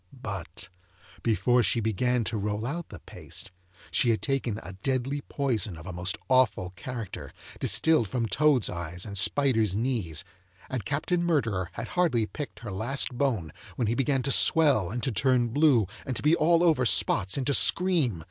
But before she began to roll out the paste she had taken a deadly poison of a most awful character, distilled from toads' eyes and spiders' knees; and Captain Murderer had hardly picked her last bone, when he began to swell, and to turn blue, and to be all over spots, and to scream.